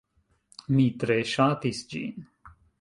Mi tre ŝatis ĝin